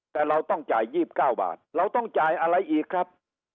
แต่เราต้องจ่าย๒๙บาทเราต้องจ่ายอะไรอีกครับ